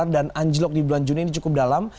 dan anjlok di bulan juni ini cukup dalam